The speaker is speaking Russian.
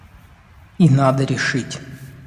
И надо решить...